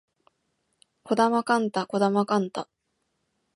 児玉幹太児玉幹太